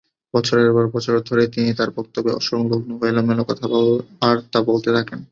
বছরের পর বছর ধরে, তিনি তার বক্তব্যে অসংলগ্ন ও এলোমেলো কথাবার্তা বলতে থাকেন।